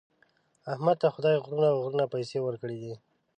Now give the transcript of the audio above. احمد ته خدای غرونه غرونه پیسې ورکړي دي.